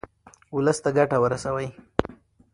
ولس ته ګټه ورسوئ.